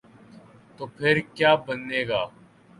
تو پھر کیابنے گا؟